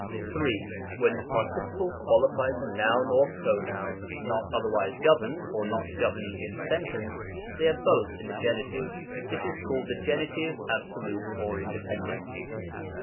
3. When the participle qualifies a noun or pronoun — ^not otherwise governed — or not governing in the sentence, they are both in the Gen. This is called the 188 PAETIOIPLE. §130, Gen. absolute, or independent.